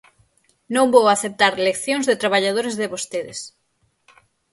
Non vou aceptar leccións de traballadores de vostedes.